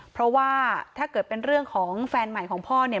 เพราะว่าถ้าเกิดเป็นเรื่องของแฟนใหม่ของพ่อเนี่ย